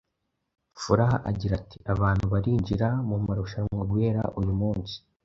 Furaha agira ati “Abantu barinjira mu marushanwa guhera uyu munsi.